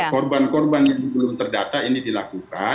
korban korban yang belum terdata ini dilakukan